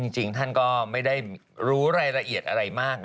จริงท่านก็ไม่ได้รู้รายละเอียดอะไรมากนะ